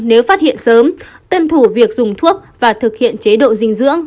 nếu phát hiện sớm tuân thủ việc dùng thuốc và thực hiện chế độ dinh dưỡng